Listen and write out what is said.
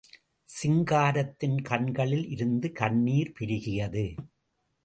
சிங்காரத்தின் கண்களில் இருந்து கண்ணீர் பெருகியது.